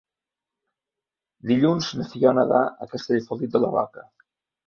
Dilluns na Fiona va a Castellfollit de la Roca.